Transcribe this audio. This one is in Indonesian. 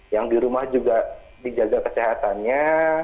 yang di rumah juga dijaga kesehatannya